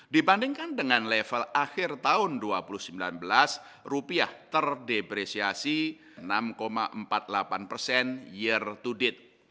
dibandingkan dengan level akhir tahun dua ribu sembilan belas rupiah terdepresiasi enam empat puluh delapan persen year to date